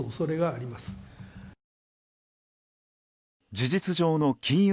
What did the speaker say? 事実上の金融